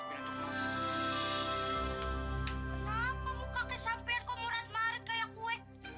kenapa bu kakek sampean kok murah marit kayak gue